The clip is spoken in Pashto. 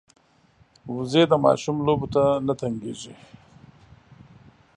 وزې د ماشوم لوبو ته نه تنګېږي